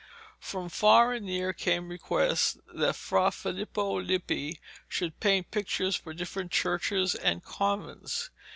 From far and near came requests that Fra Filippo Lippi should paint pictures for different churches and convents.